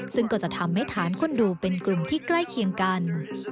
ซึ่งก็จะทำให้ฐานคนดูเป็นกลุ่มที่ใกล้เคียงกัน